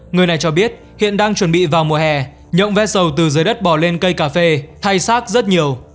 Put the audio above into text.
người này cho biết hiện đang chuẩn bị vào mùa hè nhộn vẹt sầu từ dưới đất bỏ lên cây cà phê thay xác rất nhiều